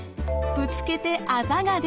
ぶつけてあざが出来た。